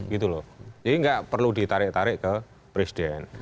jadi tidak perlu ditarik tarik ke presiden